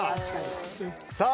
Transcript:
さあ